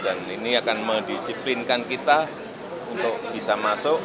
ini akan mendisiplinkan kita untuk bisa masuk